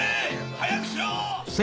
早くしろ！